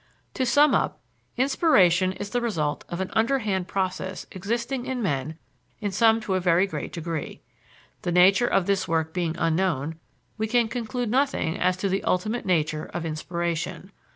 To sum up, inspiration is the result of an underhand process existing in men, in some to a very great degree. The nature of this work being unknown, we can conclude nothing as to the ultimate nature of inspiration.